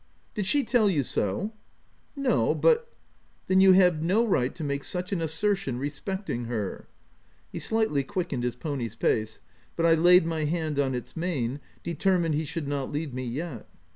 " Did she tell you so ?" "No, but— " 14 Then you have no right to make such an assertion respecting her." He slightly quick ened his pony's pace, but I laid my hand on its mane, determined he should not leave me yet.